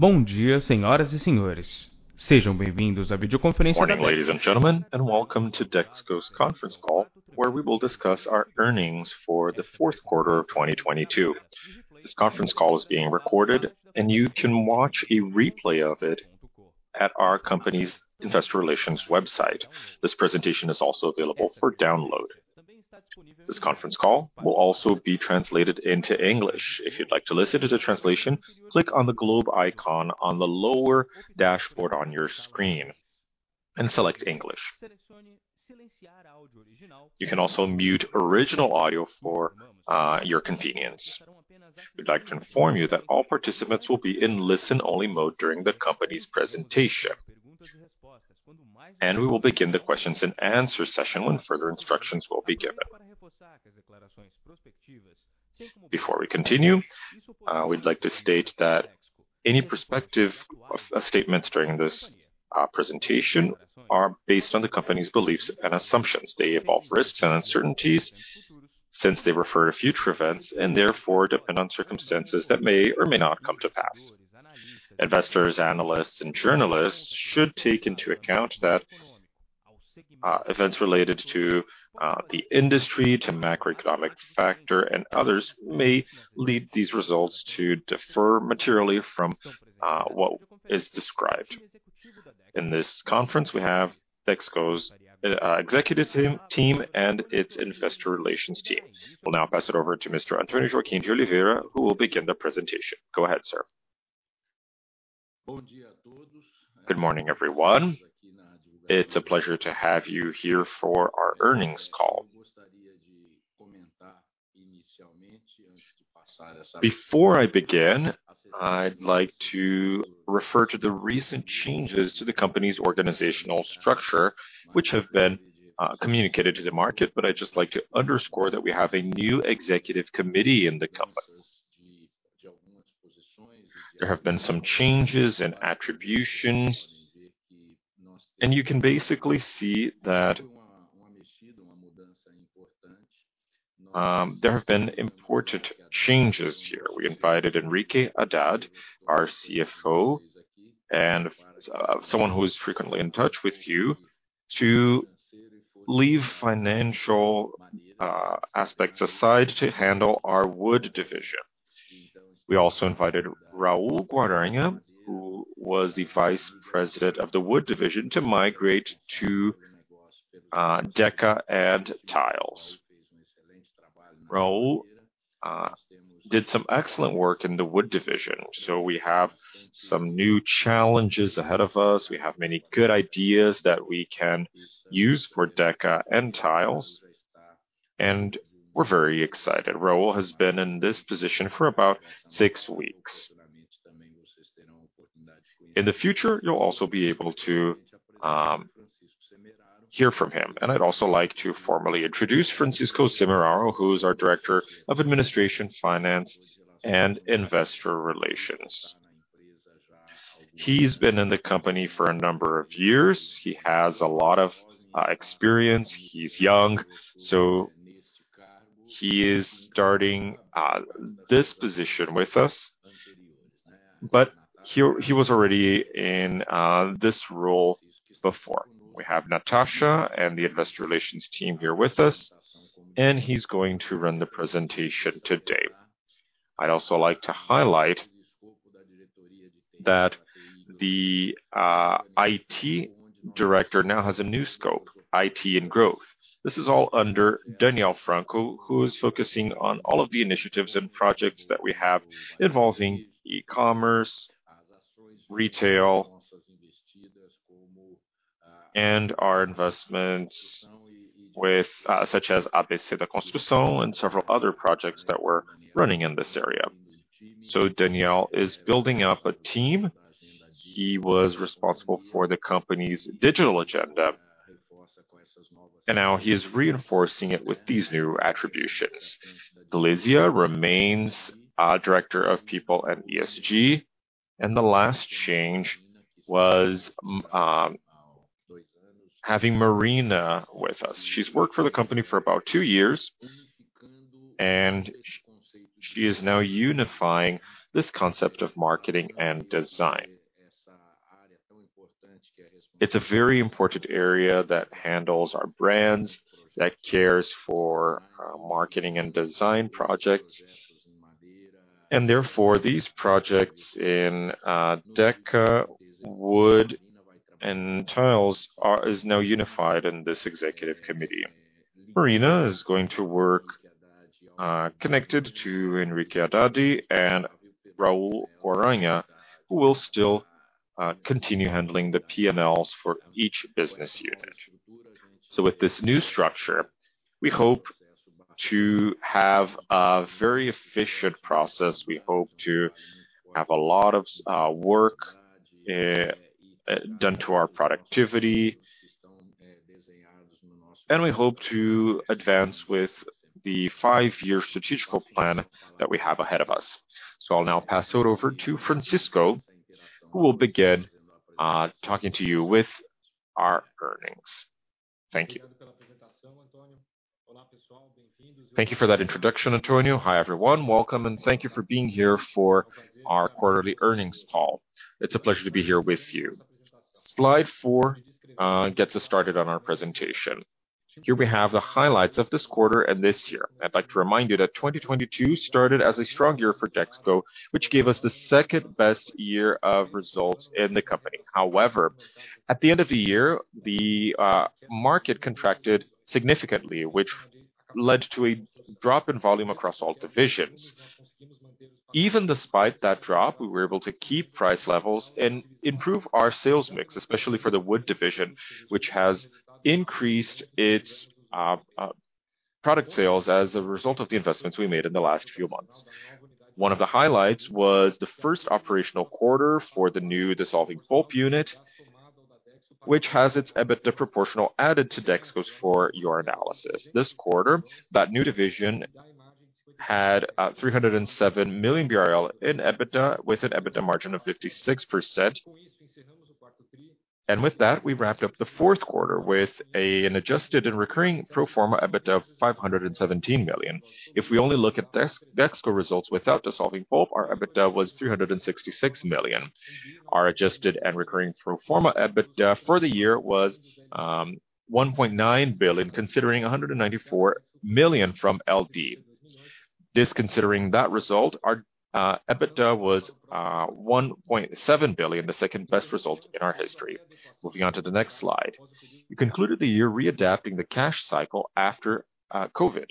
Morning, ladies and gentlemen, welcome to Dexco's Conference Call, where we will discuss our earnings for the Q4 of 2022. This conference call is being recorded, you can watch a replay of it at our company's investor relations website. This presentation is also available for download. This conference call will also be translated into English. If you'd like to listen to the translation, click on the globe icon on the lower dashboard on your screen and select English. You can also mute original audio for your convenience. We'd like to inform you that all participants will be in listen-only mode during the company's presentation. We will begin the questions and answer session when further instructions will be given. Before we continue, we'd like to state that any perspective of statements during this presentation are based on the company's beliefs and assumptions. They involve risks and uncertainties since they refer to future events, and therefore depend on circumstances that may or may not come to pass. Investors, analysts, and journalists should take into account that events related to the industry, to macroeconomic factor, and others may lead these results to defer materially from what is described. In this conference, we have Dexco's executive team and its investor relations team. We'll now pass it over to Mr. Antonio Joaquim de Oliveira, who will begin the presentation. Go ahead, sir. Good morning, everyone. It's a pleasure to have you here for our earnings call. Before I begin, I'd like to refer to the recent changes to the company's organizational structure, which have been communicated to the market, but I'd just like to underscore that we have a new executive committee in the company. There have been some changes in attributions, and you can basically see that, there have been important changes here. We invited Henrique Haddad, our CFO, and someone who is frequently in touch with you, to leave financial aspects aside to handle our wood division. We also invited Raul Guaragna, who was the vice president of the wood division, to migrate to Dexco and Tiles. Raul did some excellent work in the wood division, so we have some new challenges ahead of us. We have many good ideas that we can use for Dexco and Tiles, and we're very excited. Raul has been in this position for about six weeks. In the future, you'll also be able to hear from him. I'd also like to formally introduce Francisco Semeraro, who's our Director of Administration, Finance, and Investor Relations. He's been in the company for a number of years. He has a lot of experience. He's young, so he is starting this position with us. He was already in this role before. We have Natasha and the investor relations team here with us, and he's going to run the presentation today. I'd also like to highlight that the IT Director now has a new scope: IT and Growth. This is all under Daniel Franco, who is focusing on all of the initiatives and projects that we have involving e-commerce, retail, and our investments with such as ABC da Construção and several other projects that we're running in this area. Daniel is building up a team. He was responsible for the company's digital agenda, and now he is reinforcing it with these new attributions. Glizia remains our Director of People and ESG. The last change was having Marina with us. She's worked for the company for about 2 years, and she is now unifying this concept of marketing and design. It's a very important area that handles our brands, that cares for marketing and design projects. Therefore, these projects in Deca, Wood, and Tiles is now unified in this executive committee. Marina is going to work, connected to Henrique Haddad and Raul Guaragna, who will still continue handling the P&Ls for each business unit. With this new structure, we hope to have a very efficient process. We hope to have a lot of work done to our productivity. We hope to advance with the five-year strategical plan that we have ahead of us. I'll now pass it over to Francisco, who will begin talking to you with our earnings. Thank you. Thank you for that introduction, Antonio. Hi, everyone. Welcome, and thank you for being here for our quarterly earnings call. It's a pleasure to be here with you. Slide four gets us started on our presentation. Here we have the highlights of this quarter and this year. I'd like to remind you that 2022 started as a strong year for Dexco, which gave us the second best year of results in the company. However, at the end of the year, the market contracted significantly, which led to a drop in volume across all divisions. Even despite that drop, we were able to keep price levels and improve our sales mix, especially for the wood division, which has increased its product sales as a result of the investments we made in the last few months. One of the highlights was the first operational quarter for the new dissolving pulp unit, which has its EBITDA proportional added to Dexco's for your analysis. This quarter, that new division had 307 million BRL in EBITDA, with an EBITDA margin of 56%. With that, we wrapped up the Q4 with an adjusted and recurring pro forma EBITDA of 517 million. If we only look at Dexco results without dissolving pulp, our EBITDA was 366 million. Our adjusted and recurring pro forma EBITDA for the year was 1.9 billion, considering 194 million from LD. Disconsidering that result, our EBITDA was 1.7 billion, the second-best result in our history. Moving on to the next slide. We concluded the year readapting the cash cycle after COVID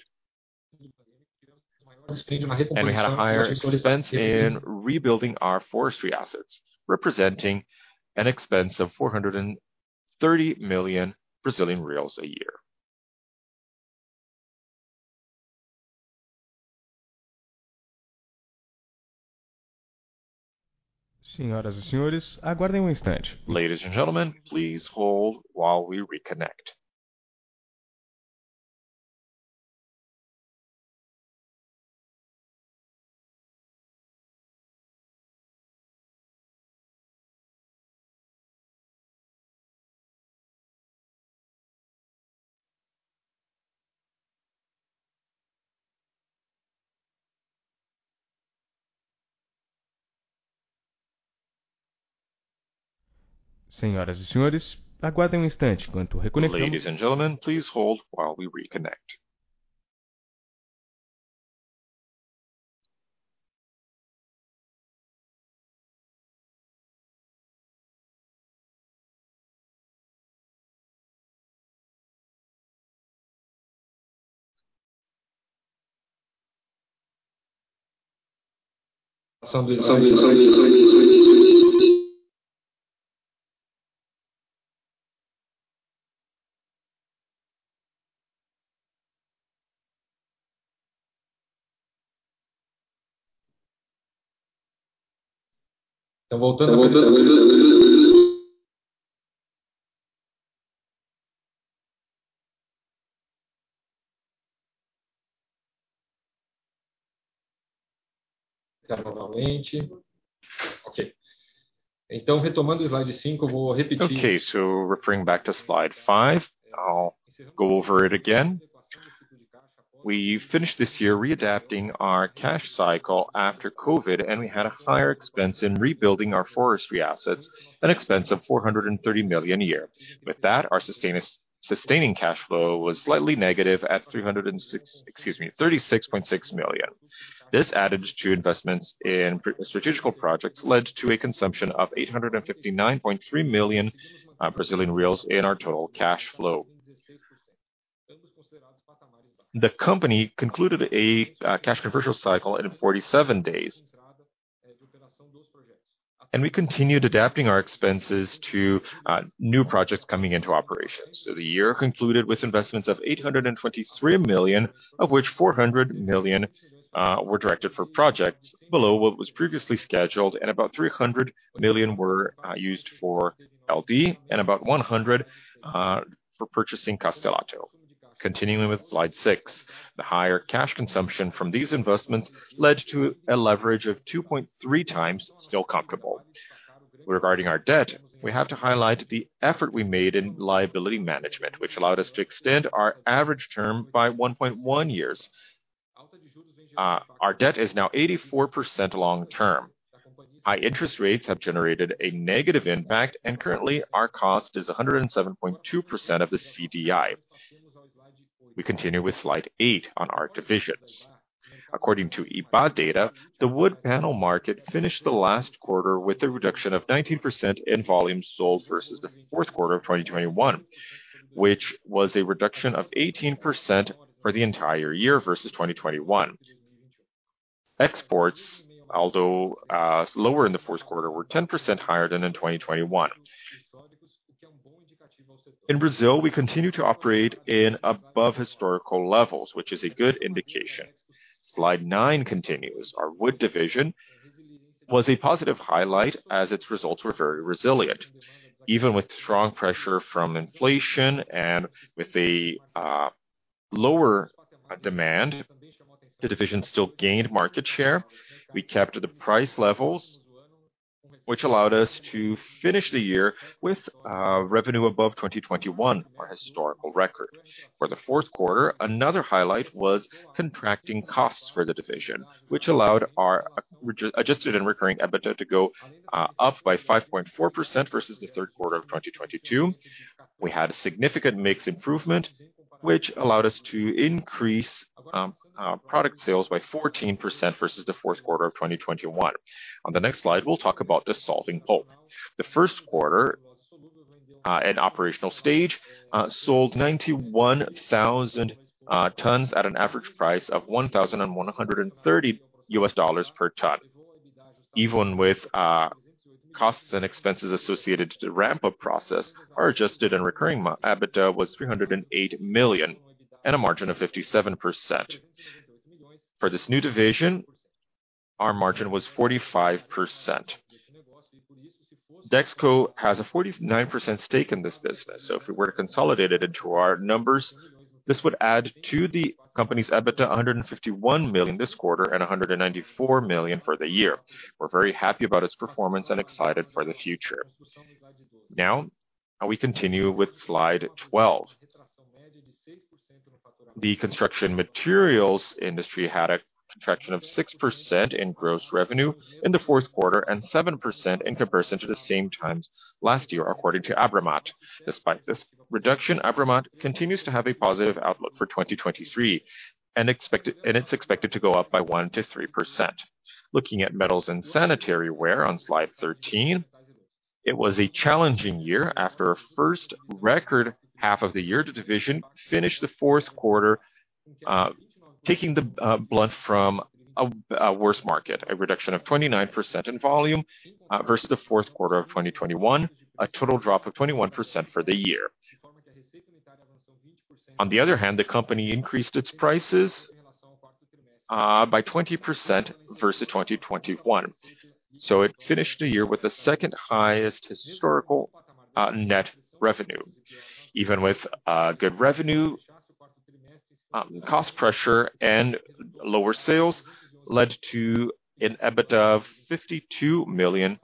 and we had a higher expense in rebuilding our forestry assets, representing an expense of 430 million Brazilian reais a year. Ladies and gentlemen, please hold while we reconnect. Okay. Referring back to slide five, I'll go over it again. We finished this year readapting our cash cycle after COVID, and we had a higher expense in rebuilding our forestry assets, an expense of 430 million a year. With that, our sustaining cash flow was slightly negative at 36.6 million. This added to investments in strategical projects led to a consumption of 859.3 million Brazilian reais in our total cash flow. The company concluded a cash conversion cycle in 47 days. We continued adapting our expenses to new projects coming into operations. The year concluded with investments of 823 million, of which 400 million were directed for projects below what was previously scheduled, and about 300 million were used for LD and about 100 million for purchasing Castelatto. Continuing with slide 6. The higher cash consumption from these investments led to a leverage of 2.3 times, still comfortable. Regarding our debt, we have to highlight the effort we made in liability management, which allowed us to extend our average term by 1.1 years. Our debt is now 84% long-term. High interest rates have generated a negative impact, and currently our cost is 107.2% of the CDI. We continue with slide 8 on our divisions. According to ABIPA data, the wood panel market finished the last quarter with a reduction of 19% in volume sold versus the Q4 of 2021, which was a reduction of 18% for the entire year versus 2021. Exports, although lower in the Q4, were 10% higher than in 2021. In Brazil, we continue to operate in above historical levels, which is a good indication. Slide 9 continues. Our wood division was a positive highlight as its results were very resilient. Even with strong pressure from inflation and with a lower demand, the division still gained market share. We kept the price levels which allowed us to finish the year with revenue above 2021, our historical record. For the Q4, another highlight was contracting costs for the division, which allowed our adjusted and recurring EBITDA to go up by 5.4% versus the Q3 of 2022. We had a significant mix improvement, which allowed us to increase product sales by 14% versus the Q4 of 2021. On the next slide, we'll talk about dissolving pulp. The Q1 at operational stage sold 91,000 tons at an average price of $1,130 per ton. Even with costs and expenses associated to the ramp-up process, our adjusted and recurring EBITDA was 308 million at a margin of 57%. For this new division, our margin was 45%. Dexco has a 49% stake in this business, so if we were to consolidate it into our numbers, this would add to the company's EBITDA 151 million this quarter and 194 million for the year. We're very happy about its performance and excited for the future. We continue with slide 12. The construction materials industry had a contraction of 6% in gross revenue in the Q4 and 7% in comparison to the same time last year, according to ABRAMAT. Despite this reduction, ABRAMAT continues to have a positive outlook for 2023 and it's expected to go up by 1%-3%. Looking at metals and sanitary ware on slide 13, it was a challenging year. After a first record half of the year, the division finished the Q4, taking the blunt from a worse market, a reduction of 29% in volume versus the Q4 of 2021, a total drop of 21% for the year. On the other hand, the company increased its prices by 20% versus 2021. It finished the year with the second highest historical net revenue. Even with good revenue, cost pressure and lower sales led to an EBITDA of 52 million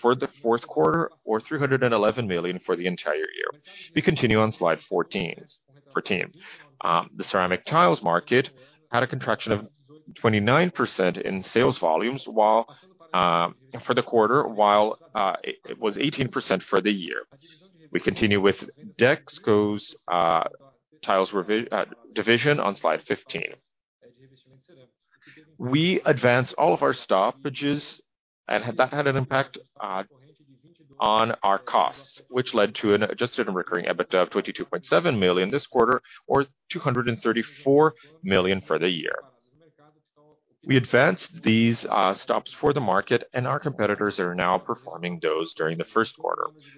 for the Q4 or 311 million for the entire year. We continue on slide 14. The ceramic tiles market had a contraction of 29% in sales volumes, while for the quarter, while it was 18% for the year. We continue with Dexco's tiles division on slide 15. We advanced all of our stoppages, and that had an impact on our costs, which led to an adjusted and recurring EBITDA of 22.7 million this quarter or 234 million for the year. We advanced these stops for the market and our competitors are now performing those during the Q1.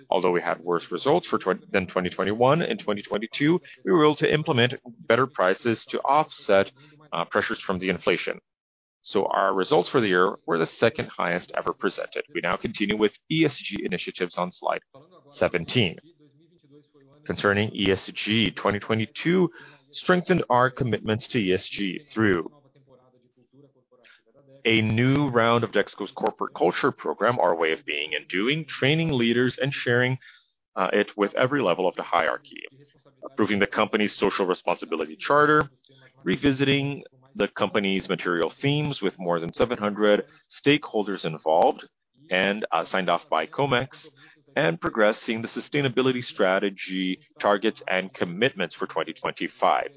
Although we had worse results than 2021 in 2022, we were able to implement better prices to offset pressures from the inflation. Our results for the year were the second highest ever presented. We now continue with ESG initiatives on slide 17. Concerning ESG, 2022 strengthened our commitments to ESG through a new round of Dexco's corporate culture program, our way of being and doing, training leaders and sharing it with every level of the hierarchy. Approving the company's social responsibility charter, revisiting the company's material themes with more than 700 stakeholders involved and signed off by Comex, and progressing the sustainability strategy targets and commitments for 2025,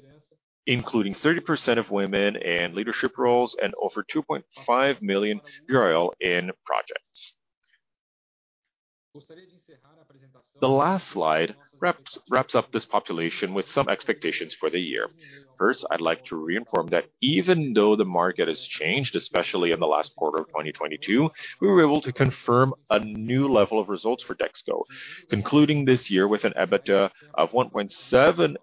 including 30% of women in leadership roles and over 2.5 million BRL in projects. The last slide wraps up this population with some expectations for the year. I'd like to re-inform that even though the market has changed, especially in the last quarter of 2022, we were able to confirm a new level of results for Dexco, concluding this year with an EBITDA of 1.7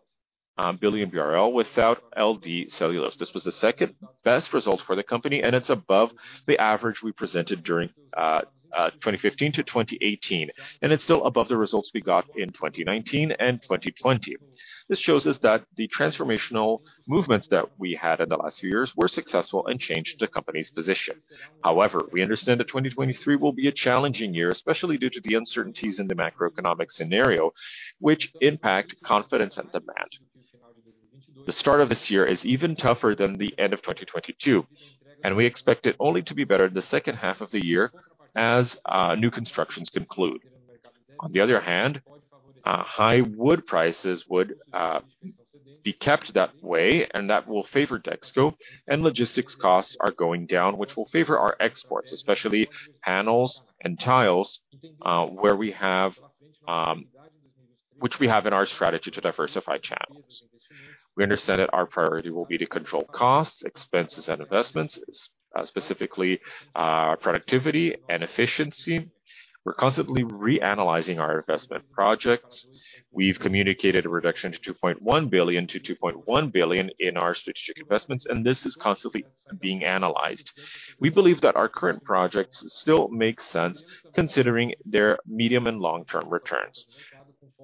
billion BRL without LD Celulose. This was the second-best result for the company, it's above the average we presented during 2015 to 2018, and it's still above the results we got in 2019 and 2020. This shows us that the transformational movements that we had in the last few years were successful and changed the company's position. However, we understand that 2023 will be a challenging year, especially due to the uncertainties in the macroeconomic scenario, which impact confidence and demand. The start of this year is even tougher than the end of 2022, we expect it only to be better in the second half of the year as new constructions conclude. On the other hand, high wood prices would be kept that way and that will favor Dexco and logistics costs are going down, which will favor our exports, especially panels and tiles, where we have which we have in our strategy to diversify channels. We understand that our priority will be to control costs, expenses, and investments, specifically, productivity and efficiency. We're constantly reanalyzing our investment projects. We've communicated a reduction to 2.1 billion in our strategic investments, and this is constantly being analyzed. We believe that our current projects still make sense considering their medium and long-term returns.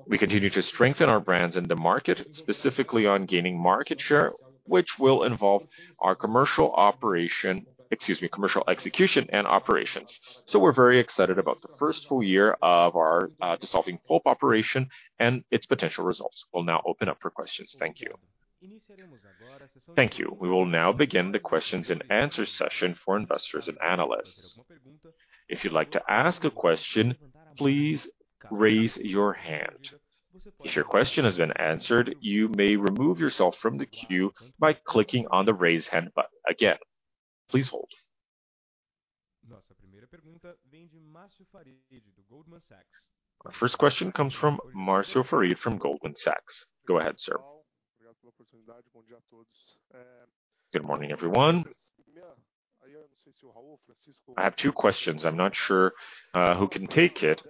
We continue to strengthen our brands in the market, specifically on gaining market share, which will involve our commercial operation, excuse me, commercial execution and operations. We're very excited about the first full year of our dissolving pulp operation and its potential results. We'll now open up for questions. Thank you. Thank you. We will now begin the questions and answer session for investors and analysts. If you'd like to ask a question, please raise your hand. If your question has been answered, you may remove yourself from the queue by clicking on the raise hand button again. Please hold. Our first question comes from Marcio Farid from Goldman Sachs. Go ahead, sir. Good morning, everyone. I have two questions. I'm not sure who can take it,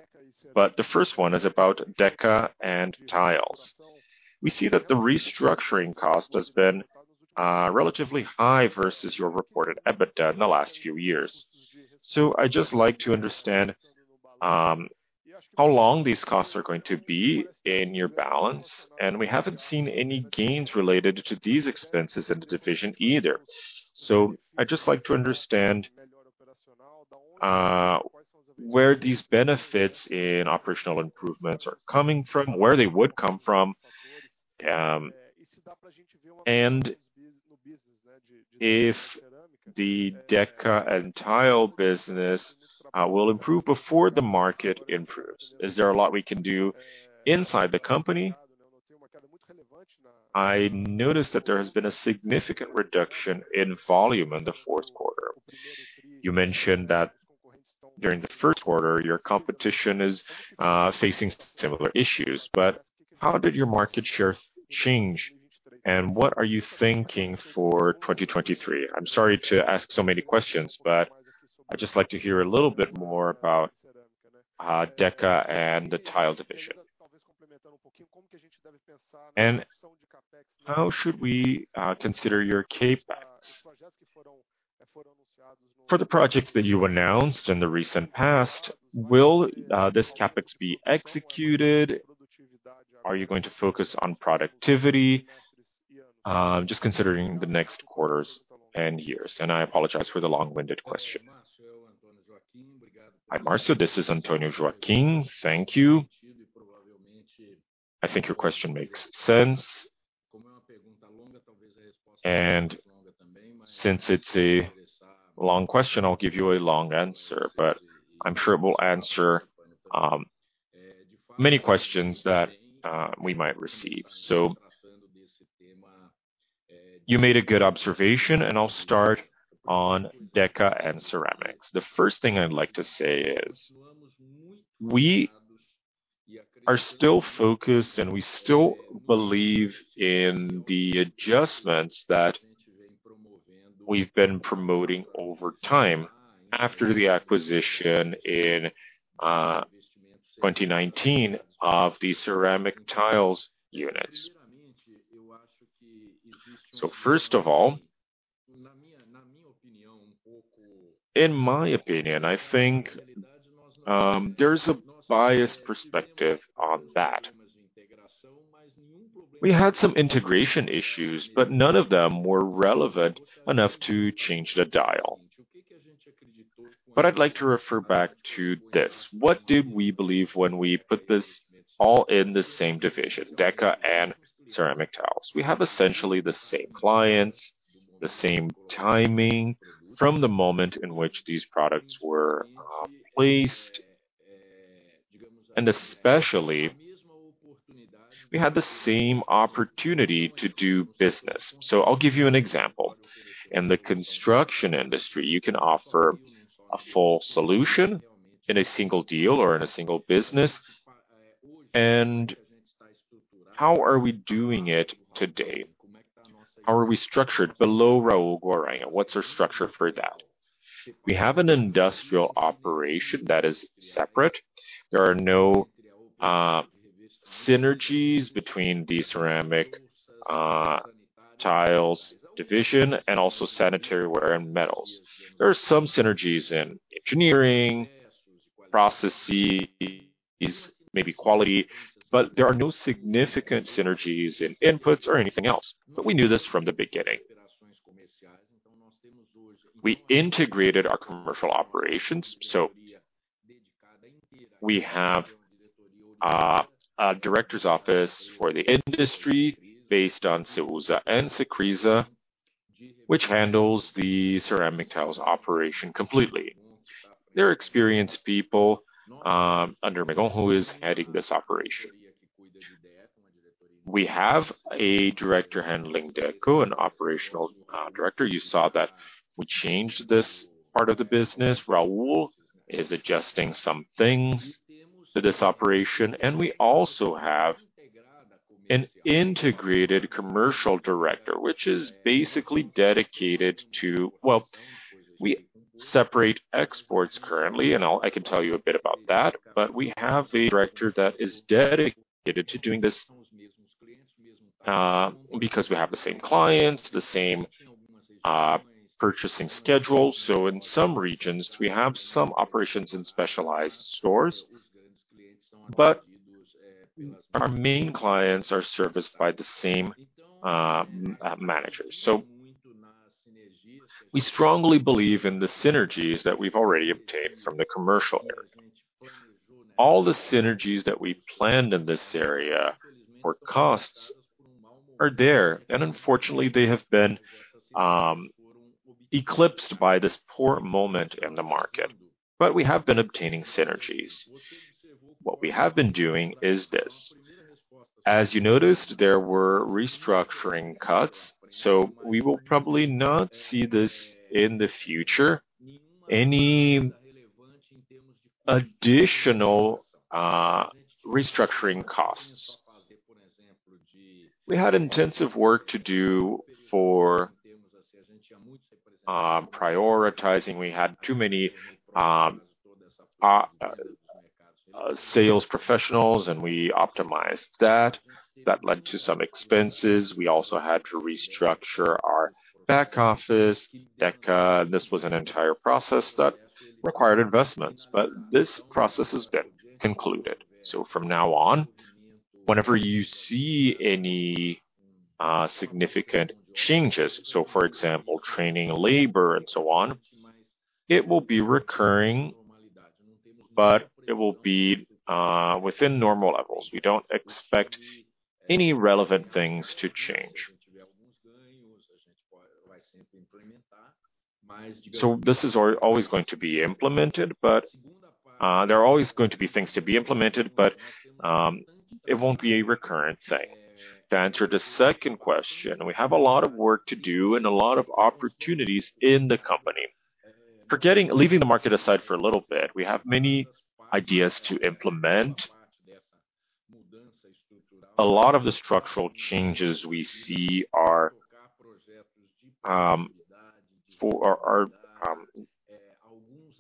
the first one is about Deca and Tiles. We see that the restructuring cost has been relatively high versus your reported EBITDA in the last few years. I'd just like to understand how long these costs are going to be in your balance, and we haven't seen any gains related to these expenses in the division either. I'd just like to understand where these benefits in operational improvements are coming from, where they would come from, and if the Deca and Tile business will improve before the market improves. Is there a lot we can do inside the company? I noticed that there has been a significant reduction in volume in the Q4. You mentioned that during the Q1, your competition is facing similar issues, how did your market share change, and what are you thinking for 2023? I'm sorry to ask so many questions, I'd just like to hear a little bit more about Deca and the Tile division. How should we consider your CapEx? For the projects that you announced in the recent past, will this CapEx be executed? Are you going to focus on productivity? Just considering the next quarters and years. I apologize for the long-winded question. Hi, Marcio, this is Antonio Joaquim. Thank you. I think your question makes sense. Since it's a long question, I'll give you a long answer, but I'm sure it will answer many questions that we might receive. You made a good observation, and I'll start on Deca and Ceramics. The first thing I'd like to say is we are still focused, and we still believe in the adjustments that we've been promoting over time after the acquisition in 2019 of the ceramic tiles units. First of all, in my opinion, I think, there's a biased perspective on that. We had some integration issues, but none of them were relevant enough to change the dial. I'd like to refer back to this. What did we believe when we put this all in the same division, Deca and ceramic tiles? We have essentially the same clients, the same timing from the moment in which these products were placed, and especially, we had the same opportunity to do business. I'll give you an example. In the construction industry, you can offer a full solution in a single deal or in a single business. How are we doing it today? How are we structured below Raul Guaragna? What's our structure for that? We have an industrial operation that is separate. There are no synergies between the ceramic tiles division and also sanitary ware and metals. There are some synergies in engineering, processes, maybe quality, but there are no significant synergies in inputs or anything else. We knew this from the beginning. We integrated our commercial operations, so we have a director's office for the industry based on Ceusa and Cecrisa, which handles the ceramic tiles operation completely. They're experienced people under Menegon, who is heading this operation. We have a director handling Deca, an operational director. You saw that we changed this part of the business. Raul is adjusting some things to this operation. We also have an integrated commercial director, which is basically we separate exports currently, and I can tell you a bit about that, but we have a director that is dedicated to doing this because we have the same clients, the same purchasing schedule. In some regions, we have some operations in specialized stores, but our main clients are serviced by the same managers. We strongly believe in the synergies that we've already obtained from the commercial area. All the synergies that we planned in this area for costs are there, and unfortunately, they have been eclipsed by this poor moment in the market. We have been obtaining synergies. What we have been doing is this. As you noticed, there were restructuring cuts, so we will probably not see this in the future, any additional restructuring costs. We had intensive work to do for prioritizing. We had too many sales professionals, we optimized that. That led to some expenses. We also had to restructure our back office, Deca. This was an entire process that required investments, this process has been concluded. From now on, whenever you see any significant changes, for example, training, labor, and so on, it will be recurring, it will be within normal levels. We don't expect any relevant things to change. This is always going to be implemented, there are always going to be things to be implemented, it won't be a recurrent thing. To answer the second question, we have a lot of work to do and a lot of opportunities in the company. Leaving the market aside for a little bit, we have many ideas to implement. A lot of the structural changes we see are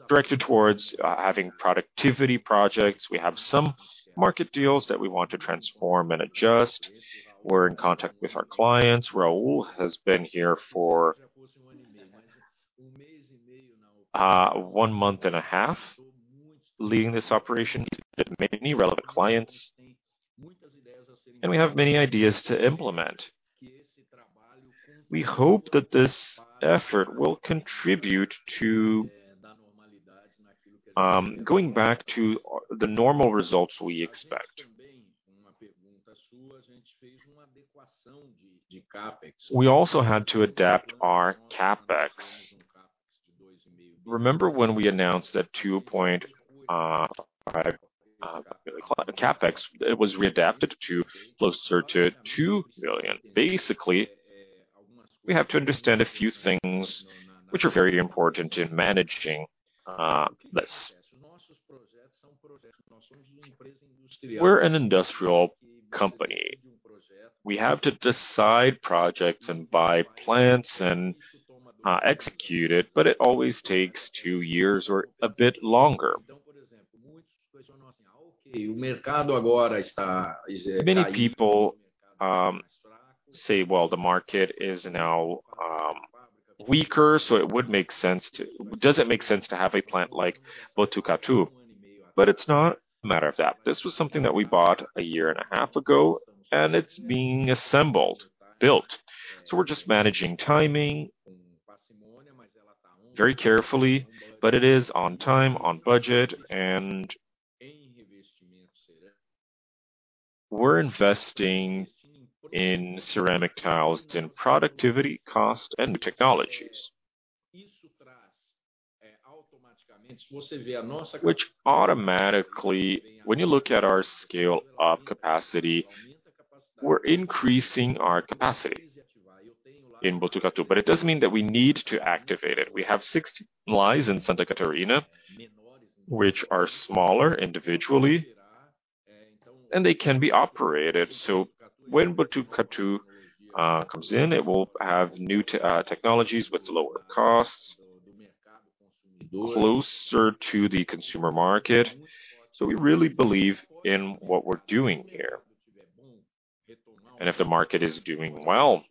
directed towards having productivity projects. We have some market deals that we want to transform and adjust. We're in contact with our clients. Raul has been here for one month and a half leading this operation. He's met many relevant clients, and we have many ideas to implement. We hope that this effort will contribute to going back to the normal results we expect. We also had to adapt our CapEx. Remember when we announced that BRL 2.5 CapEx, it was readapted to closer to 2 million. Basically, we have to understand a few things which are very important in managing this. We're an industrial company. We have to decide projects and buy plants and execute it, but it always takes two years or a bit longer. Many people say, "Well, the market is now weaker, so it would make sense to have a plant like Botucatu?" It's not a matter of that. This was something that we bought a year and a half ago, and it's being assembled, built. We're just managing timing very carefully, but it is on time, on budget, and we're investing in ceramic tiles in productivity, cost, and technologies. Automatically, when you look at our scale of capacity, we're increasing our capacity in Botucatu. It doesn't mean that we need to activate it. We have six lines in Santa Catarina, which are smaller individually, and they can be operated. When Botucatu comes in, it will have new technologies with lower costs closer to the consumer market. We really believe in what we're doing here. If the market is doing well,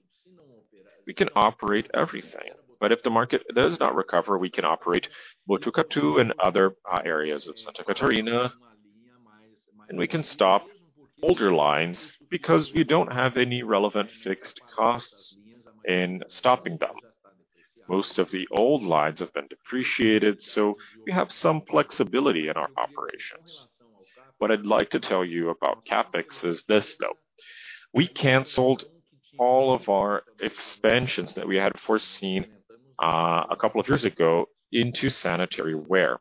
we can operate everything. If the market does not recover, we can operate Botucatu and other areas of Santa Catarina, and we can stop older lines because we don't have any relevant fixed costs in stopping them. Most of the old lines have been depreciated, we have some flexibility in our operations. What I'd like to tell you about CapEx is this, though: We canceled all of our expansions that we had foreseen two years ago into sanitary ware.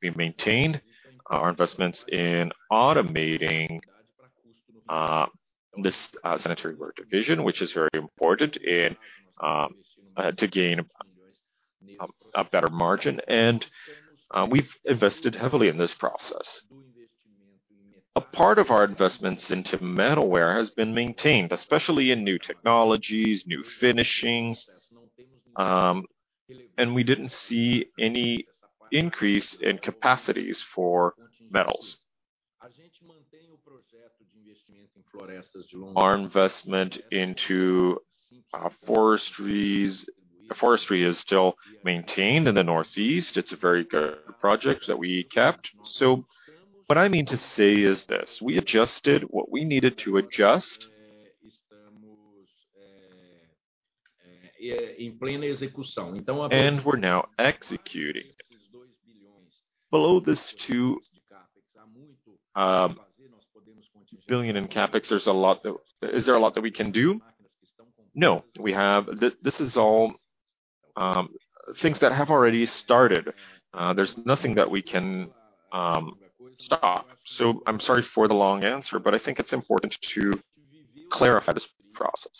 We maintained our investments in automating this sanitary ware division, which is very important to gain a better margin. We've invested heavily in this process. A part of our investments into metalware has been maintained, especially in new technologies, new finishings. We didn't see any increase in capacities for metals. Our investment into our forestry is still maintained in the Northeast. It's a very good project that we kept. What I mean to say is this, we adjusted what we needed to adjust. We're now executing. Below this 2 billion in CapEx, is there a lot that we can do? No, we have. This is all things that have already started. There's nothing that we can stop. I'm sorry for the long answer, but I think it's important to clarify this process.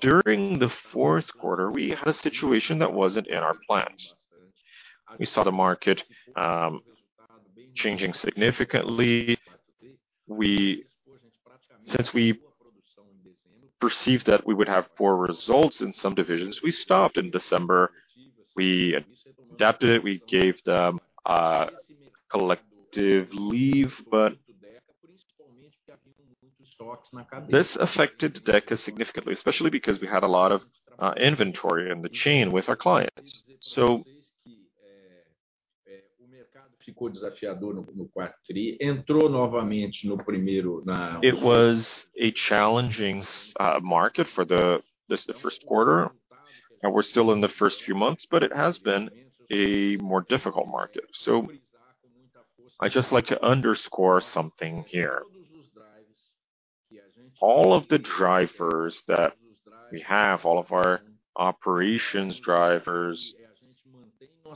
During the Q4, we had a situation that wasn't in our plans. We saw the market changing significantly. Since we perceived that we would have poor results in some divisions, we stopped in December. We adapted it, we gave them collective leave. This affected Deca significantly, especially because we had a lot of inventory in the chain with our clients. It was a challenging market for this, the Q1, and we're still in the first few months, but it has been a more difficult market. I'd just like to underscore something here. All of the drivers that we have, all of our operations drivers. We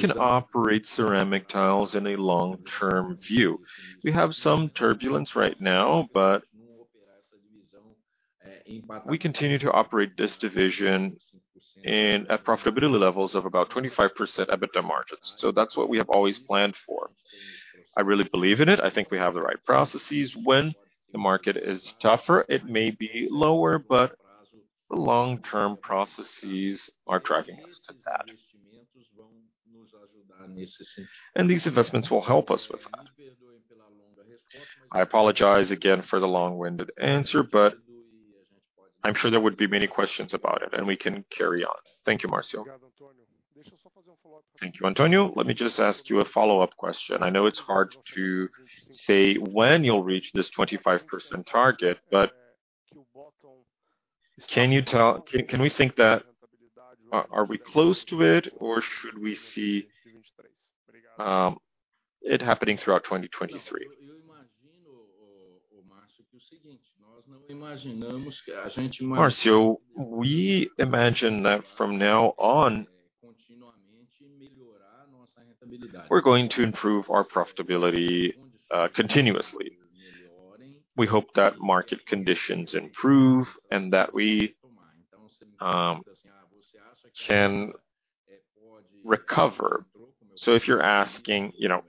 can operate ceramic tiles in a long-term view. We have some turbulence right now, but we continue to operate this division and at profitability levels of about 25% EBITDA margins. That's what we have always planned for. I really believe in it. I think we have the right processes. When the market is tougher, it may be lower, but the long-term processes are driving us to that. These investments will help us with that. I apologize again for the long-winded answer, but I'm sure there would be many questions about it and we can carry on. Thank you, Marcio. Thank you, Antonio. Let me just ask you a follow-up question. I know it's hard to say when you'll reach this 25% target, but can you tell? Can we think that, are we close to it or should we see it happening throughout 2023? Marcio, we imagine that from now on we're going to improve our profitability continuously. We hope that market conditions improve and that we can recover. If you're asking, you know,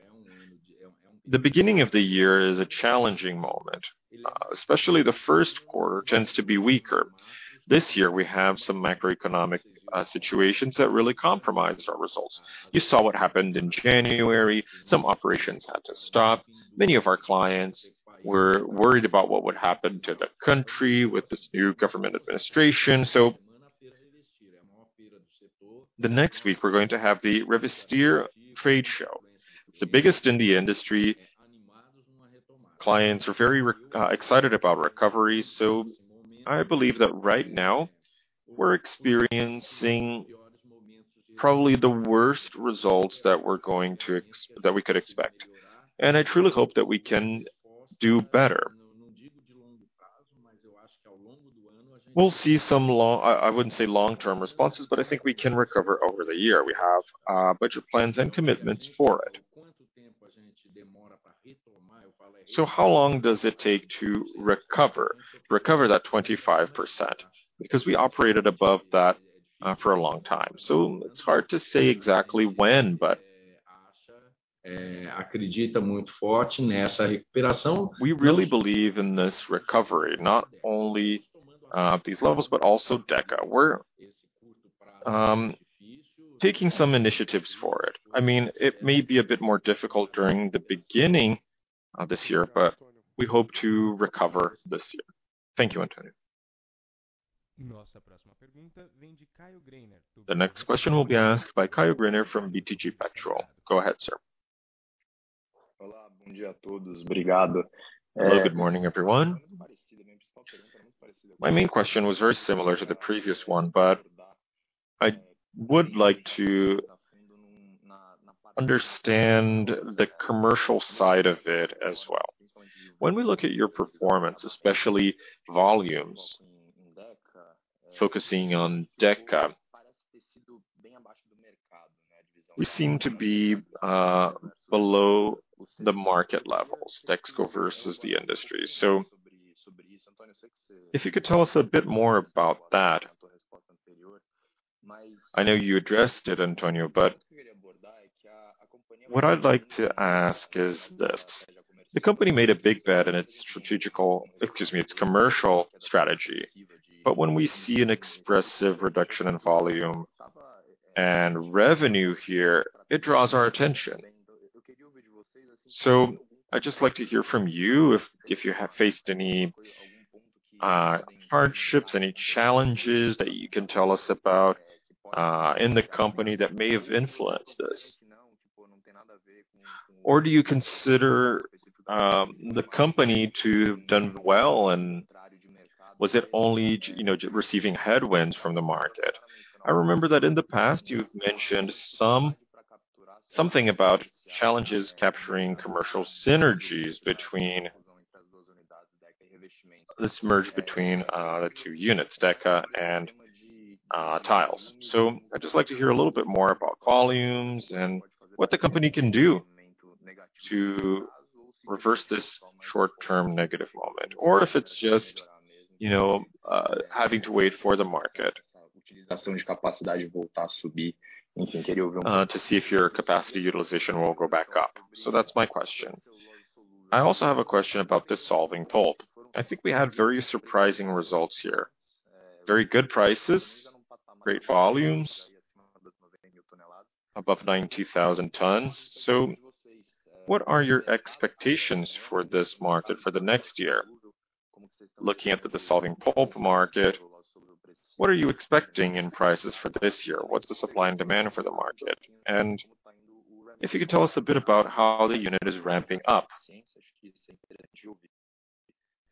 the beginning of the year is a challenging moment, especially the Q1 tends to be weaker. This year we have some macroeconomic situations that really compromised our results. You saw what happened in January. Some operations had to stop. Many of our clients were worried about what would happen to the country with this new government administration. The next week we're going to have the Revestir trade show. It's the biggest in the industry. Clients are very excited about recovery. I believe that right now we're experiencing probably the worst results that we could expect. I truly hope that we can do better. I wouldn't say long-term responses, but I think we can recover over the year. We have budget plans and commitments for it. How long does it take to recover that 25%? Because we operated above that for a long time. It's hard to say exactly when, but we really believe in this recovery, not only at these levels, but also Deca. We're taking some initiatives for it. I mean, it may be a bit more difficult during the beginning of this year, but we hope to recover this year. Thank you, Antonio. The next question will be asked by Caio Greiner from BTG Pactual. Go ahead, sir. Hello, good morning, everyone. My main question was very similar to the previous one, but I would like to understand the commercial side of it as well. When we look at your performance, especially volumes, focusing on Deca. We seem to be below the market levels, Dexco versus the industry. If you could tell us a bit more about that I know you addressed it, Antonio, what I'd like to ask is this: the company made a big bet in its strategic, excuse me, its commercial strategy. When we see an expressive reduction in volume and revenue here, it draws our attention. I'd just like to hear from you if you have faced any hardships, any challenges that you can tell us about in the company that may have influenced this. Do you consider the company to have done well, and was it only, you know, receiving headwinds from the market? I remember that in the past, you've mentioned something about challenges capturing commercial synergies between this merge between the two units, Deca and Tiles. I'd just like to hear a little bit more about volumes and what the company can do to reverse this short-term negative moment, or if it's just, you know, having to wait for the market to see if your capacity utilization will go back up. That's my question. I also have a question about dissolving pulp. I think we had very surprising results here. Very good prices, great volumes, above 90,000 tons. What are your expectations for this market for the next year? Looking at the dissolving pulp market, what are you expecting in prices for this year? What's the supply and demand for the market? If you could tell us a bit about how the unit is ramping up.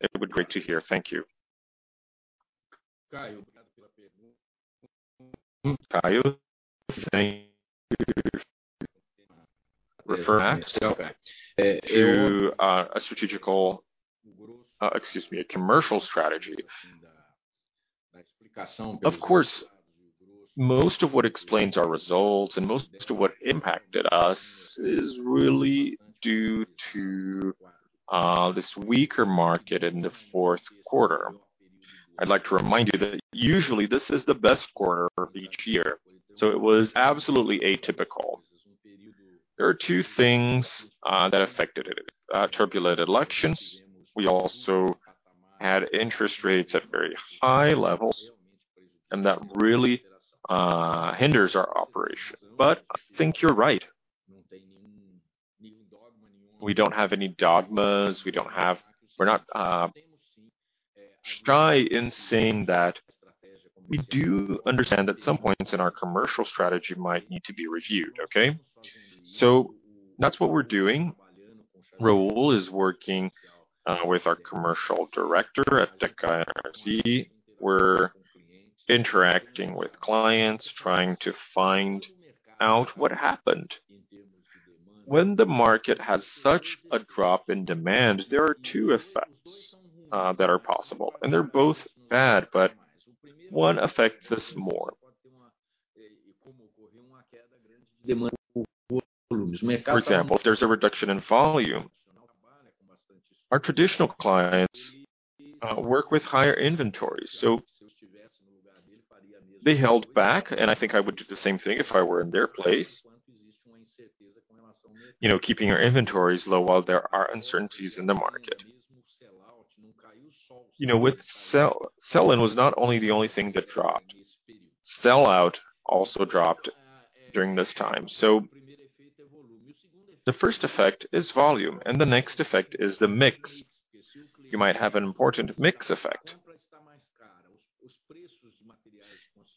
It would be great to hear. Thank you. Caio, thank you for referring to a strategical, excuse me, a commercial strategy. Of course, most of what explains our results and most of what impacted us is really due to this weaker market in the Q4. I'd like to remind you that usually this is the best quarter of each year. It was absolutely atypical. There are two things that affected it. Turbulent elections. We also had interest rates at very high levels, and that really hinders our operation. I think you're right. We don't have any dogmas. We're not shy in saying that we do understand that some points in our commercial strategy might need to be reviewed. Okay? That's what we're doing. Raul is working with our commercial director at Deca and RC. We're interacting with clients, trying to find out what happened. When the market has such a drop in demand, there are two effects that are possible, and they're both bad, but one affects us more. For example, if there's a reduction in volume, our traditional clients work with higher inventories, so they held back, and I think I would do the same thing if I were in their place. You know, keeping your inventories low while there are uncertainties in the market. You know, with sell-in was not only the only thing that dropped. Sell-out also dropped during this time. The first effect is volume, and the next effect is the mix. You might have an important mix effect.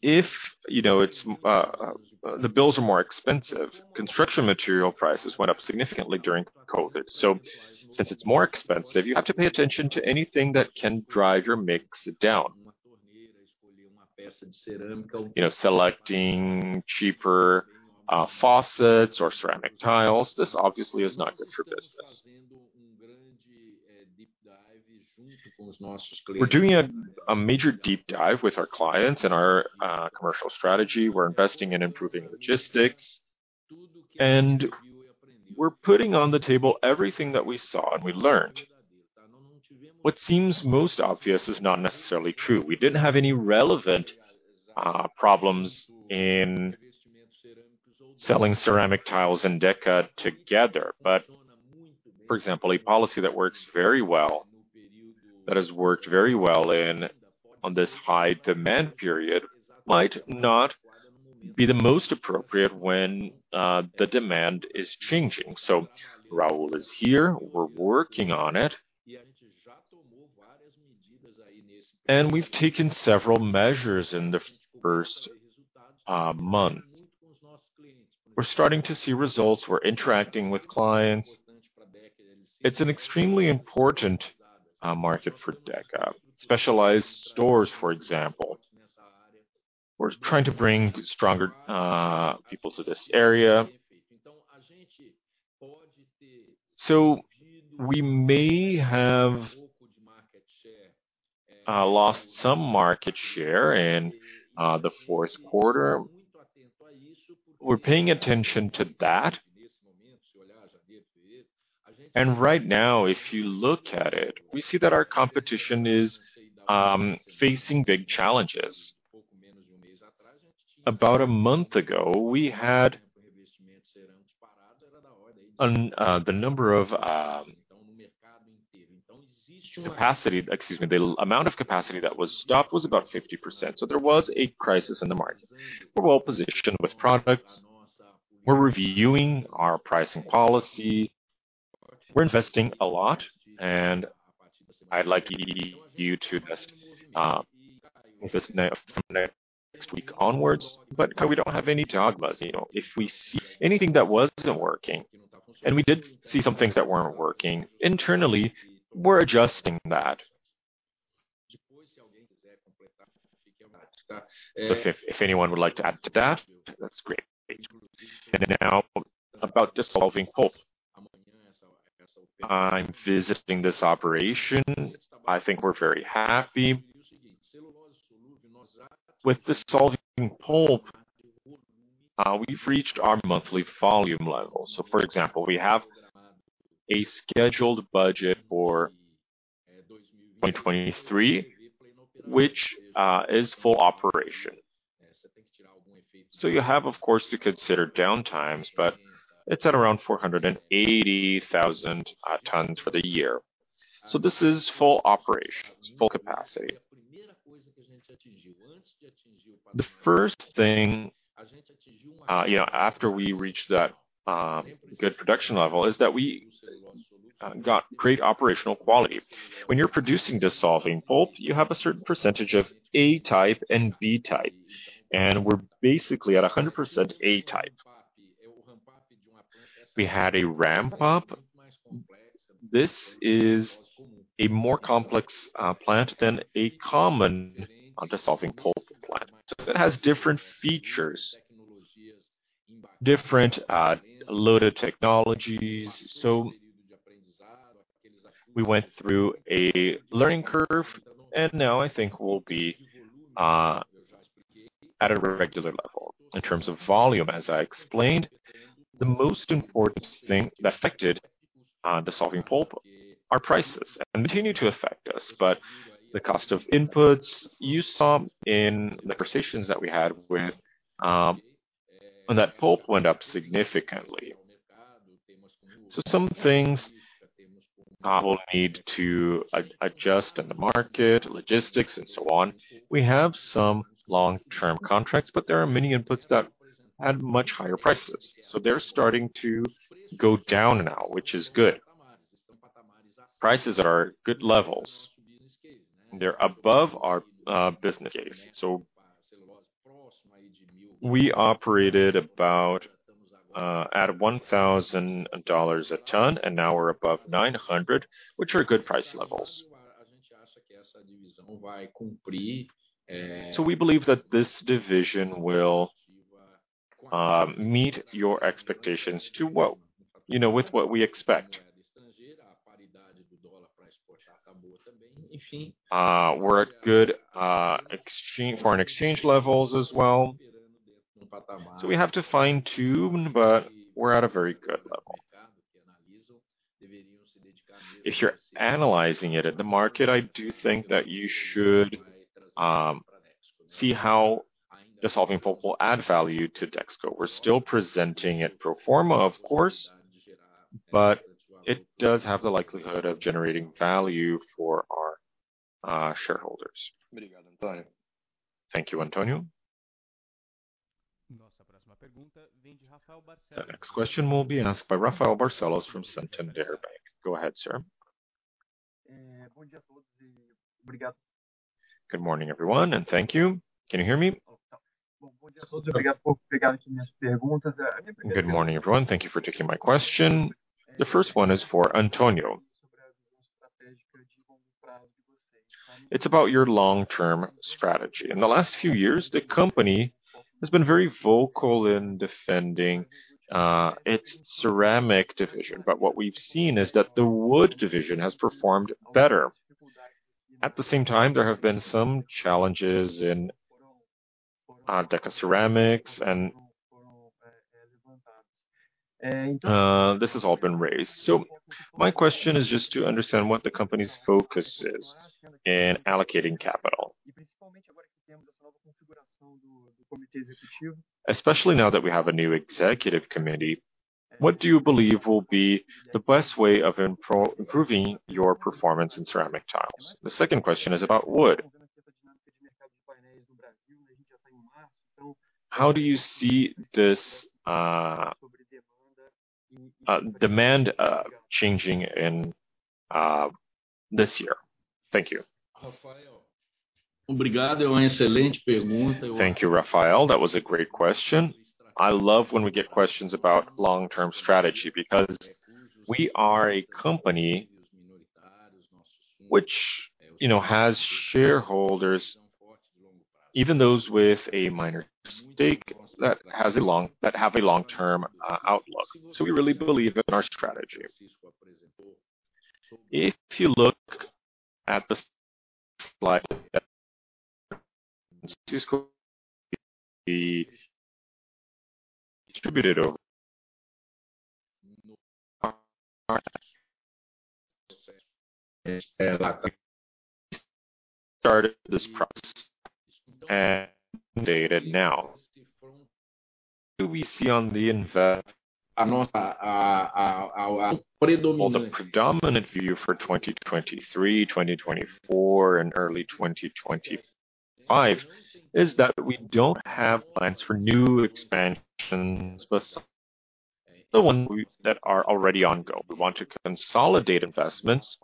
If, you know, it's, the bills are more expensive. Construction material prices went up significantly during COVID. Since it's more expensive, you have to pay attention to anything that can drive your mix down. You know, selecting cheaper faucets or ceramic tiles. This obviously is not good for business. We're doing a major deep dive with our clients and our commercial strategy. We're investing in improving logistics. We're putting on the table everything that we saw and we learned. What seems most obvious is not necessarily true. We didn't have any relevant problems in selling ceramic tiles and Deca together. For example, a policy that works very well, that has worked very well on this high demand period might not be the most appropriate when the demand is changing. Raul is here, we're working on it. We've taken several measures in the first month. We're starting to see results. We're interacting with clients. It's an extremely important market for Deca. Specialized stores, for example. We're trying to bring stronger people to this area. We may have lost some market share in the Q4. We're paying attention to that. Right now, if you look at it, we see that our competition is facing big challenges. About a month ago, we had the amount of capacity that was stopped was about 50%. There was a crisis in the market. We're well-positioned with products. We're reviewing our pricing policy. We're investing a lot, and I'd like you to just from next week onwards, but we don't have any dogmas, you know. If we see anything that wasn't working, and we did see some things that weren't working internally, we're adjusting that. If anyone would like to add to that's great. Now about dissolving pulp. I'm visiting this operation. I think we're very happy. With dissolving pulp, we've reached our monthly volume level. For example, we have a scheduled budget for 2023, which is full operation. You have, of course, to consider downtimes, but it's at around 480,000 tons for the year. This is full operations, full capacity. The first thing, you know, after we reach that good production level is that we got great operational quality. When you're producing dissolving pulp, you have a certain percentage of A type and B type, and we're basically at 100% A type. We had a ramp up. This is a more complex plant than a common dissolving pulp plant. It has different features, different loaded technologies. We went through a learning curve, and now I think we'll be at a regular level. In terms of volume, as I explained, the most important thing that affected dissolving pulp are prices and continue to affect us, but the cost of inputs, you saw in the conversations that we had with on that pulp went up significantly. Some things now will need to adjust in the market, logistics, and so on. We have some long-term contracts, but there are many inputs that had much higher prices. They're starting to go down now, which is good. Prices are at good levels. They're above our business case. We operated about at $1,000 a ton, and now we're above $900, which are good price levels. We believe that this division will meet your expectations to what, you know, with what we expect. We're at good foreign exchange levels as well. We have to fine-tune, but we're at a very good level. If you're analyzing it at the market, I do think that you should see how dissolving pulp will add value to Dexco. We're still presenting it pro forma, of course, but it does have the likelihood of generating value for our shareholders. Thank you, Antonio. The next question will be asked by Raphael Barcelos from Santander Bank. Go ahead, sir. Good morning, everyone, and thank you. Can you hear me? Good morning, everyone. Thank you for taking my question. The first one is for Antonio. It's about your long-term strategy. In the last few years, the company has been very vocal in defending its ceramic division. What we've seen is that the wood division has performed better. At the same time, there have been some challenges in Decaceramics and this has all been raised. My question is just to understand what the company's focus is in allocating capital. Especially now that we have a new executive committee, what do you believe will be the best way of improving your performance in ceramic tiles? The second question is about wood. How do you see this demand changing in this year? Thank you. Thank you, Raphael. That was a great question. I love when we get questions about long-term strategy because we are a company which, you know, has shareholders, even those with a minor stake that have a long-term outlook. We really believe in our strategy. If you look at the slide that over. Started this process and dated now. Do we see on the invest- Well, the predominant view for 2023, 2024, and early 2025 is that we don't have plans for new expansions, but the ones that are already ongoing. We want to consolidate investments,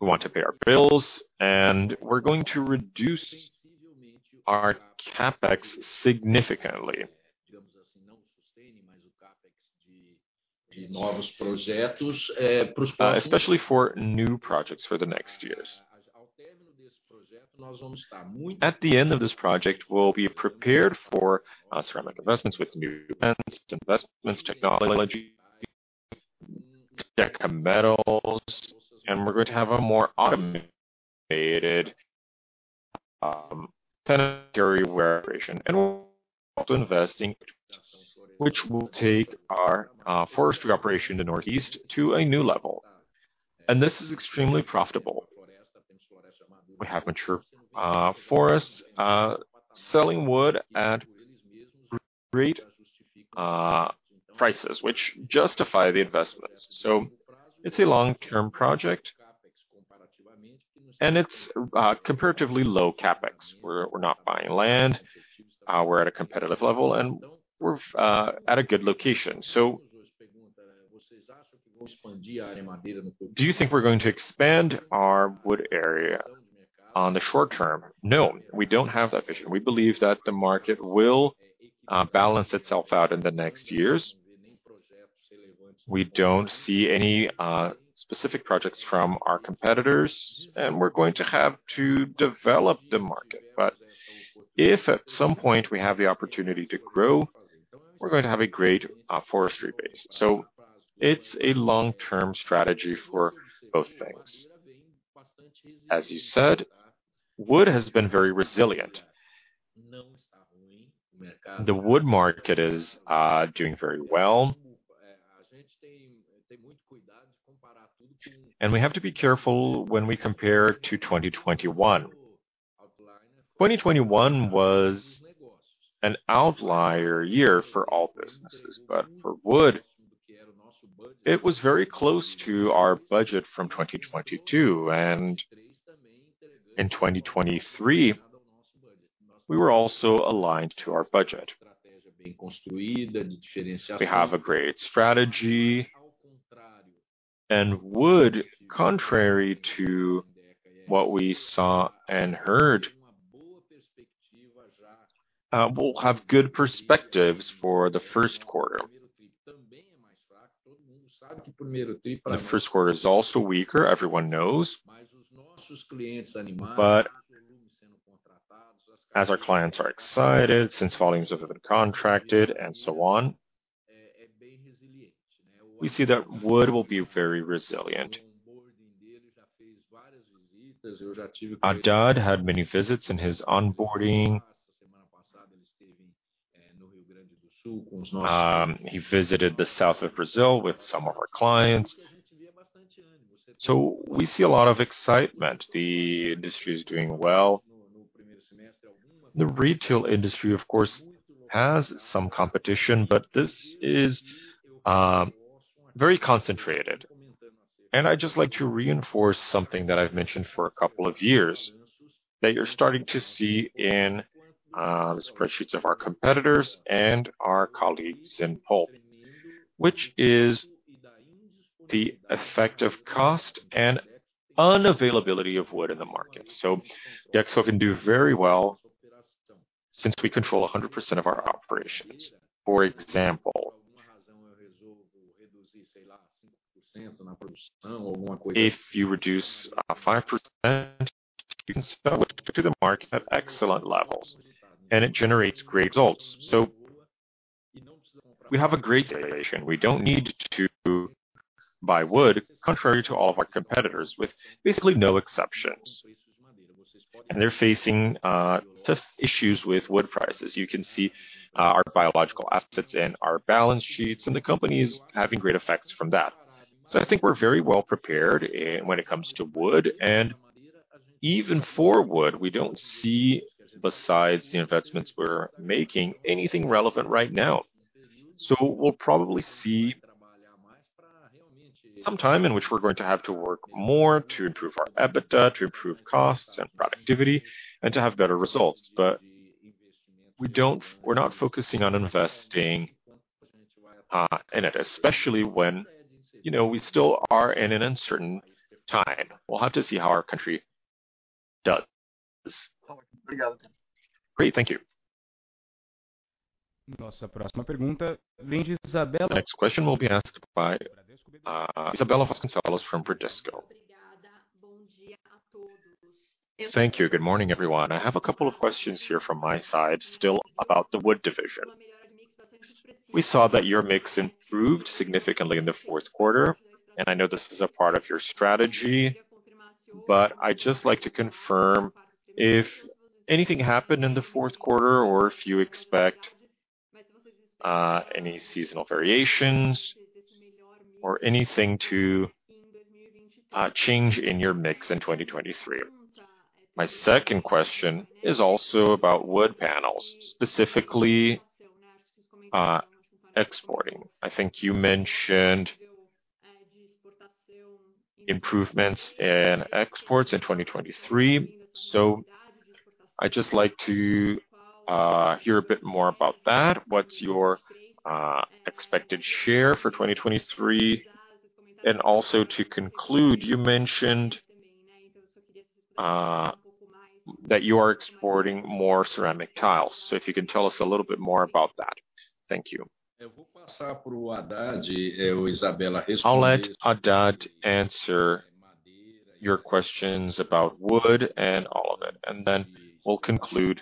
we want to pay our bills, and we're going to reduce our CapEx significantly. Especially for new projects for the next years. At the end of this project, we'll be prepared for ceramic investments with new investments, technology, tech metals, and we're going to have a more automated sanitary ware operation. We're also investing, which will take our forestry operation in the northeast to a new level. This is extremely profitable. We have mature forests, selling wood at great prices, which justify the investments. It's a long-term project and it's comparatively low CapEx. We're not buying land, we're at a competitive level, and we're at a good location. Do you think we're going to expand our wood area on the short term? No, we don't have that vision. We believe that the market will balance itself out in the next years. We don't see any specific projects from our competitors, and we're going to have to develop the market. If at some point we have the opportunity to grow, we're going to have a great forestry base. It's a long-term strategy for both things. As you said, wood has been very resilient. The wood market is doing very well. We have to be careful when we compare to 2021. 2021 was an outlier year for all businesses, but for wood, it was very close to our budget from 2022. In 2023, we were also aligned to our budget. We have a great strategy and wood, contrary to what we saw and heard, will have good perspectives for the Q1. The Q1 is also weaker, everyone knows. As our clients are excited since volumes have been contracted and so on, we see that wood will be very resilient. Haddad had many visits in his onboarding. He visited the south of Brazil with some of our clients. We see a lot of excitement. The industry is doing well. The retail industry, of course, has some competition, but this is very concentrated. I'd just like to reinforce something that I've mentioned for a couple of years that you're starting to see in the spreadsheets of our competitors and our colleagues in pulp, which is the effect of cost and unavailability of wood in the market. Dexco can do very well since we control 100% of our operations. For example, if you reduce 5% to the market at excellent levels and it generates great results. We have a great situation. We don't need to buy wood, contrary to all of our competitors, with basically no exceptions. They're facing tough issues with wood prices. You can see our biological assets in our balance sheets, and the company is having great effects from that. I think we're very well prepared when it comes to wood and even for wood, we don't see, besides the investments we're making, anything relevant right now. We'll probably see some time in which we're going to have to work more to improve our EBITDA, to improve costs and productivity, and to have better results. We're not focusing on investing in it, especially when, you know, we still are in an uncertain time. We'll have to see how our country does. Great. Thank you. Next question will be asked by, Isabella Vasconcelos from Bradesco. Thank you. Good morning, everyone. I have a couple of questions here from my side, still about the wood division. We saw that your mix improved significantly in the Q4. I know this is a part of your strategy. I'd just like to confirm if anything happened in the Q4 or if you expect any seasonal variations or anything to change in your mix in 2023. My second question is also about wood panels, specifically, exporting. I think you mentioned improvements in exports in 2023. I'd just like to hear a bit more about that. What's your expected share for 2023? Also, to conclude, you mentioned that you are exporting more ceramic tiles. If you can tell us a little bit more about that. Thank you. I'll let Haddad answer your questions about wood and all of it, then we'll conclude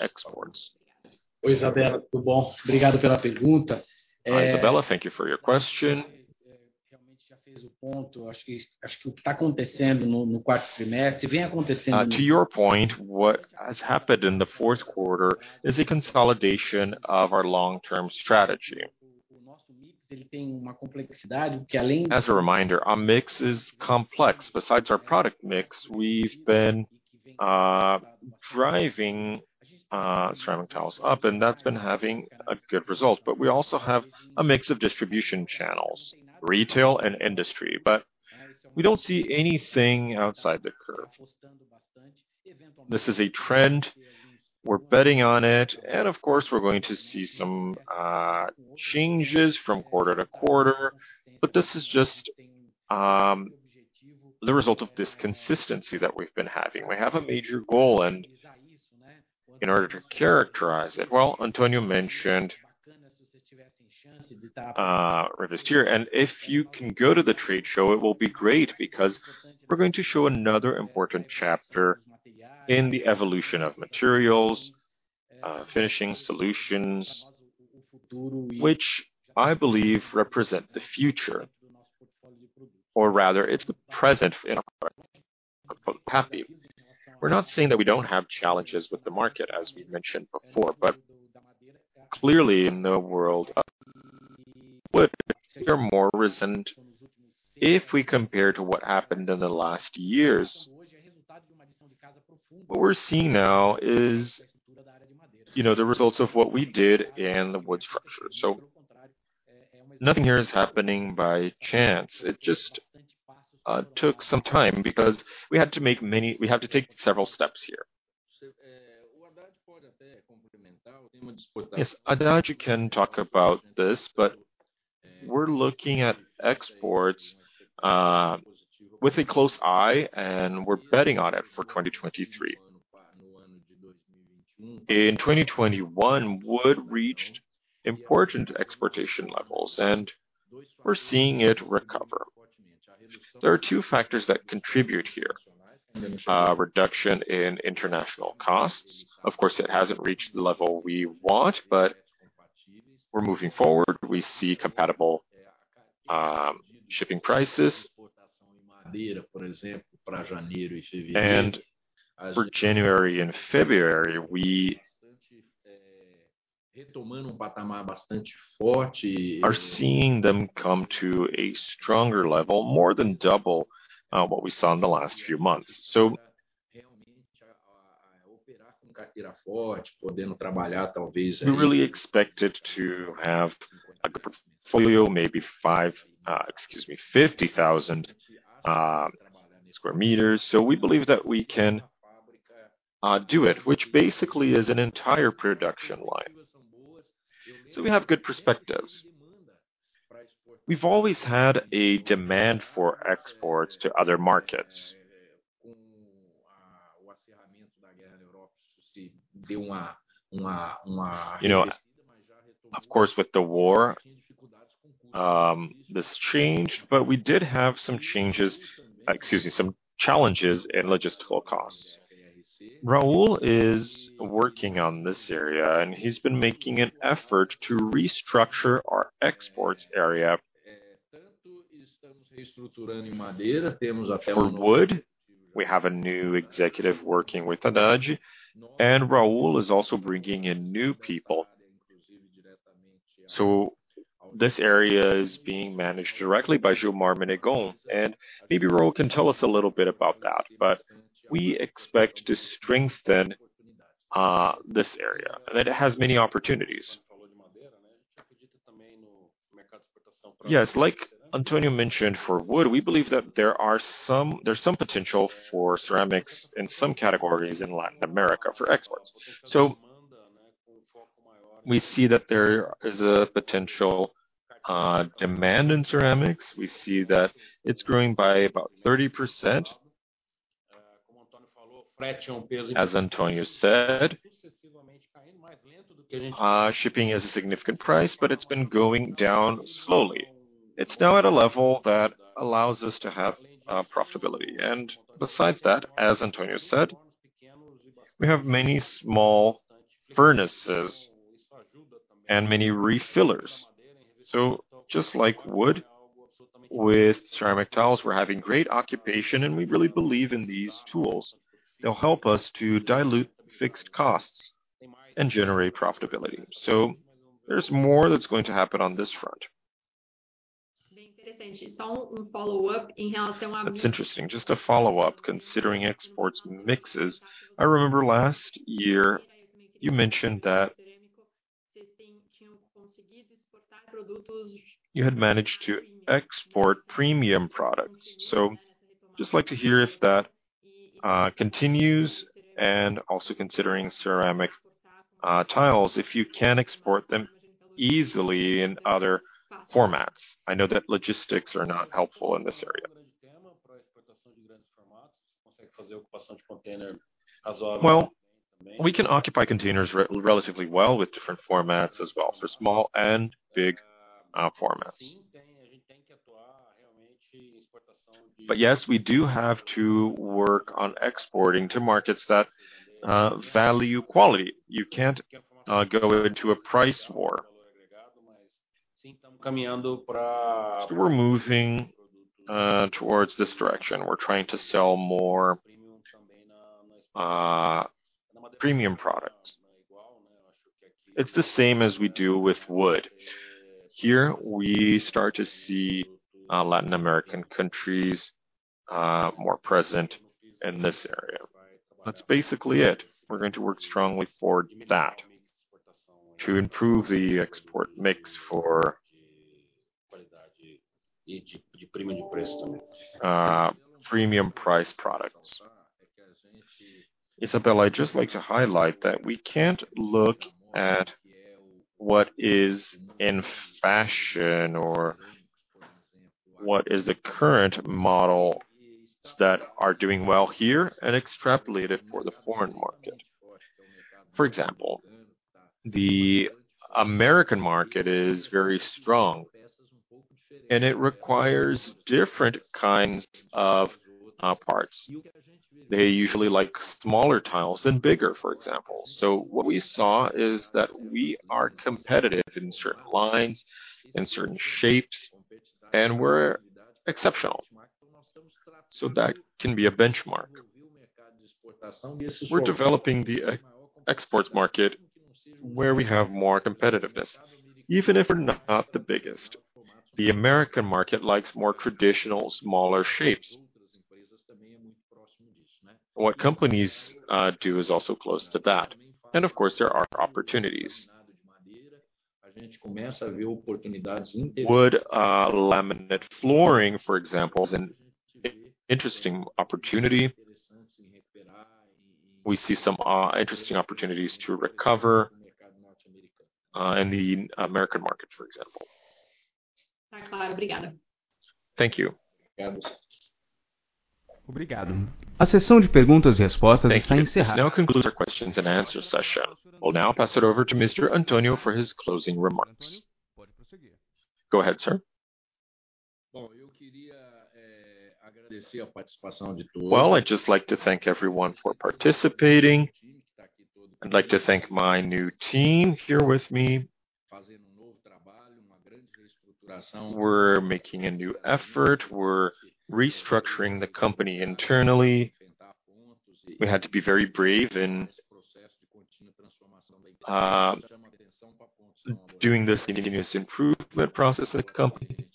exports. Hi, Isabella. Thank you for your question. To your point, what has happened in the Q4 is a consolidation of our long-term strategy. As a reminder, our mix is complex. Besides our product mix, we've been driving ceramic tiles up, and that's been having a good result. We also have a mix of distribution channels, retail and industry. We don't see anything outside the curve. This is a trend. We're betting on it. Of course, we're going to see some changes from quarter to quarter. This is just the result of this consistency that we've been having. We have a major goal and in order to characterize it, well, Antonio mentioned Revestir. If you can go to the trade show, it will be great because we're going to show another important chapter in the evolution of materials, finishing solutions, which I believe represent the future, or rather, it's the present in our portfolio. We're not saying that we don't have challenges with the market, as we mentioned before, clearly in the world of wood, they're more recent if we compare to what happened in the last years. What we're seeing now is, you know, the results of what we did in the wood structure. Nothing here is happening by chance. It just took some time because we have to take several steps here. Haddad can talk about this, we're looking at exports with a close eye, we're betting on it for 2023. In 2021, wood reached important exportation levels. We're seeing it recover. There are 2 factors that contribute here. Reduction in international costs. Of course, it hasn't reached the level we want, but we're moving forward. We see compatible shipping prices. For January and February, we are seeing them come to a stronger level, more than double what we saw in the last few months. We really expect it to have a good portfolio, maybe five, excuse me, 50,000 square meters. We believe that we can do it, which basically is an entire production line. We have good perspectives. We've always had a demand for exports to other markets. You know, of course, with the war, this changed, but we did have some challenges in logistical costs. Raul is working on this area. He's been making an effort to restructure our exports area. For wood, we have a new executive working with Haddad. Raul is also bringing in new people. This area is being managed directly by Gilmar Menegon, and maybe Raul can tell us a little bit about that. We expect to strengthen this area that has many opportunities. Like Antonio mentioned for wood, we believe that there's some potential for ceramics in some categories in Latin America for exports. We see that there is a potential demand in ceramics. We see that it's growing by about 30%. As Antonio said, shipping is a significant price, but it's been going down slowly. It's now at a level that allows us to have profitability. Besides that, as Antonio said. We have many small furnaces and many refillers. Just like wood with ceramic tiles, we're having great occupation, and we really believe in these tools. They'll help us to dilute fixed costs and generate profitability. There's more that's going to happen on this front. That's interesting. Just a follow-up, considering exports mixes. I remember last year you mentioned that you had managed to export premium products. Just like to hear if that continues, and also considering ceramic tiles, if you can export them easily in other formats. I know that logistics are not helpful in this area. Well, we can occupy containers relatively well with different formats as well, for small and big formats. Yes, we do have to work on exporting to markets that value quality. You can't go into a price war. We're moving towards this direction. We're trying to sell more premium products. It's the same as we do with wood. Here we start to see Latin American countries more present in this area. That's basically it. We're going to work strongly for that to improve the export mix for premium price products. Isabela, I'd just like to highlight that we can't look at what is in fashion or what is the current model that are doing well here and extrapolate it for the foreign market. For example, the American market is very strong, and it requires different kinds of parts. They usually like smaller tiles than bigger, for example. What we saw is that we are competitive in certain lines, in certain shapes, and we're exceptional. That can be a benchmark. We're developing the e-exports market where we have more competitiveness, even if we're not the biggest. The American market likes more traditional, smaller shapes. What companies do is also close to that. Of course, there are opportunities. Wood laminate flooring, for example, is an interesting opportunity. We see some interesting opportunities to recover in the American market, for example. Thank you. Thank you. Thank you. This now concludes our questions and answer session. We'll now pass it over to Mr. Antonio for his closing remarks. Go ahead, sir. Well, I'd just like to thank everyone for participating. I'd like to thank my new team here with me. We're making a new effort. We're restructuring the company internally. We had to be very brave in doing this continuous improvement process at the company.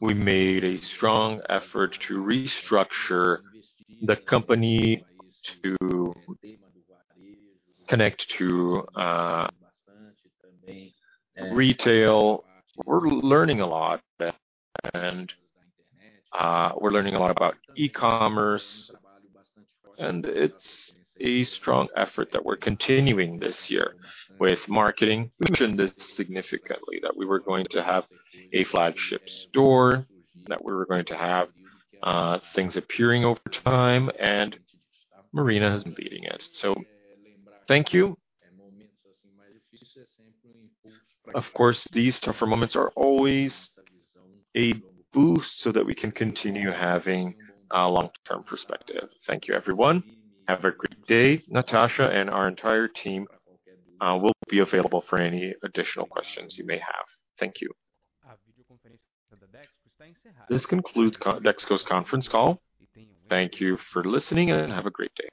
We made a strong effort to restructure the company to connect to retail. We're learning a lot, we're learning a lot about e-commerce, and it's a strong effort that we're continuing this year with marketing. We mentioned this significantly, that we were going to have a flagship store, that we were going to have things appearing over time, Marina has been leading it. Thank you. Of course, these tougher moments are always a boost so that we can continue having a long-term perspective. Thank you, everyone. Have a great day. Natasha and our entire team will be available for any additional questions you may have. Thank you. This concludes Dexco's conference call. Thank you for listening, have a great day.